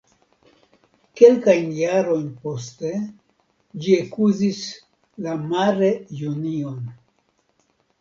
Kelkajn jarojn poste ĝi ekuzis la Mare Jonion.